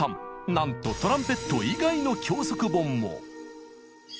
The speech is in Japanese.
なんとトランペット以外の教則本も！